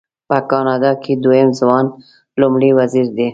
په کاناډا کې دویم ځوان لومړی وزیر دی.